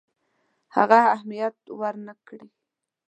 هغه اهمیت ورنه کړي.